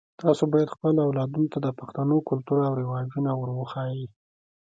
تاسو باید خپلو اولادونو ته د پښتنو کلتور او رواجونه ور وښایئ